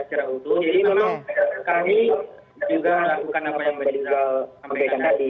jadi memang kami juga lakukan apa yang pak riza sampaikan tadi